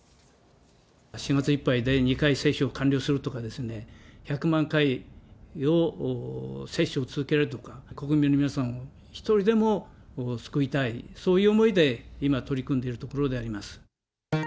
７月いっぱいで２回接種を完了するとかですね、１００万回の接種を続けるとか、国民の皆さんを一人でも救いたい、そういう思いで今、取り組んでいるところであります。